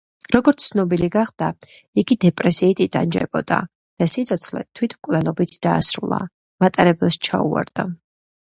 როგორც ცნობილი გახდა, იგი დეპრესიით იტანჯებოდა და სიცოცხლე თვითმკვლელობით დაასრულა, მატარებელს ჩაუვარდა.